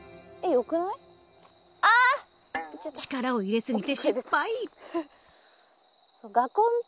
力を入れすぎて失敗。